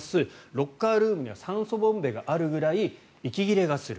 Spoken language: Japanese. ロッカールームには酸素ボンベがあるぐらい息切れがする。